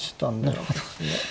なるほど。